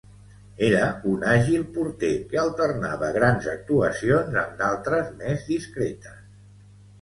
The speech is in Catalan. Era un àgil porter que alternava grans actuacions amb d'altres més discretes.